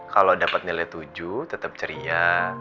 kalo dapet nilai tujuh tetep ceria